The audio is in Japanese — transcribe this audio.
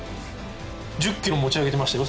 １０ｋｇ持ち上げてましたよ